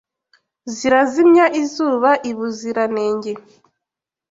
Zirazimya izuba i Buzira nenge